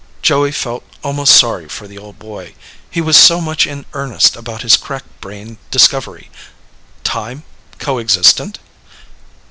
Joey felt almost sorry for the old boy. He was so much in earnest about his crack brained discovery. "Time ... co existent?"